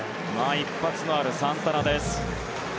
一発のあるサンタナです。